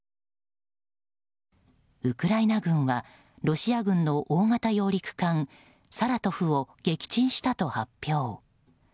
ウクライナ軍はロシア軍の大型揚陸艦「サラトフ」を撃沈したと発表。